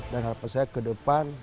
dan harapan saya ke depan